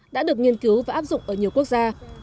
đã được nghiên cứu và áp dụng ở nhiều quốc gia